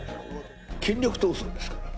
権力闘争ですから。